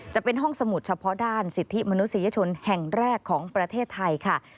จะเป็นห้องสมุดเฉพาะด้านสิทธิมนุษยชนแห่งแรกของประเทศไทยค่ะ